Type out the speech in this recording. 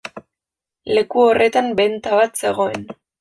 Leku horretan benta bat zegoen.